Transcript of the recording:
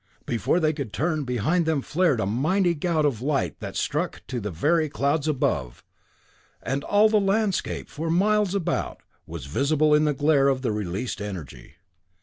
Before they could turn, behind them flared a mighty gout of light that struck to the very clouds above, and all the landscape, for miles about, was visible in the glare of the released energy.